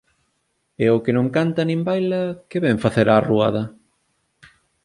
E o que non canta nin baila, que vén facer á ruada?